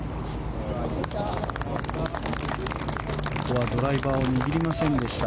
ここはドライバーを握りませんでした。